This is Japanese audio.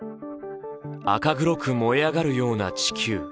赤黒く、燃え上がるような地球。